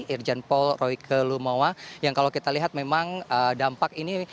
irjen paul royke lumawa yang kalau kita lihat memang dampak ini